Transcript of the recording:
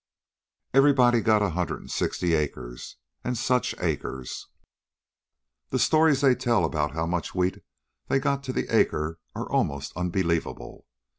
Everybody got a hundred and sixty acres. And such acres! The stories they tell about how much wheat they got to the acre are almost unbelievable.